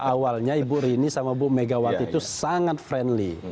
awalnya ibu rini sama bu megawati itu sangat friendly